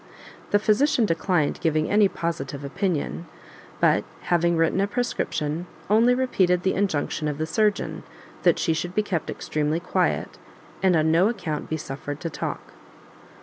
The physician declined giving any positive opinion, but, having written a prescription, only repeated the injunction of the surgeon, that she should be kept extremely quiet, and on no account be suffered to talk.